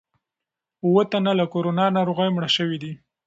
اووه تنه له کورونا ناروغۍ مړه شوي دي.